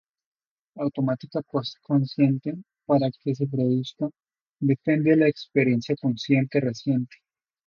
La automática post-consciente, para que se produzca, depende de la experiencia consciente reciente.